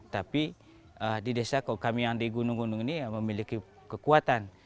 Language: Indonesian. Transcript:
tapi di desa kok kami yang di gunung gunung ini memiliki kekuatan